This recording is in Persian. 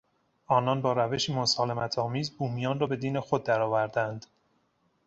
آنان با روشی مسالمتآمیز بومیان را به دین خود درآوردند.